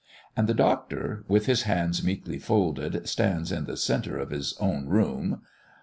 And the Doctor, with his hands meekly folded, stands in the centre of his "own room."